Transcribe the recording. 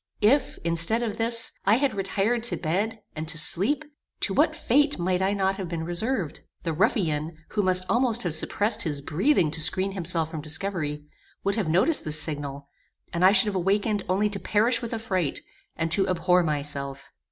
If, instead of this, I had retired to bed, and to sleep, to what fate might I not have been reserved? The ruffian, who must almost have suppressed his breathing to screen himself from discovery, would have noticed this signal, and I should have awakened only to perish with affright, and to abhor myself.